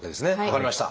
分かりました。